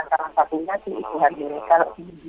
salah satunya di ibu ibu